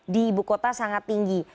di ibu kota sangat tinggi